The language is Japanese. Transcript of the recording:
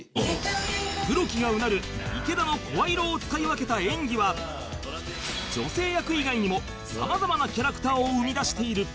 黒木がうなる池田の声色を使い分けた演技は女性役以外にもさまざまなキャラクターを生み出している